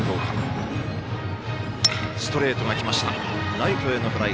ライトへのフライ。